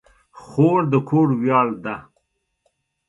خور د کور ویاړ ده.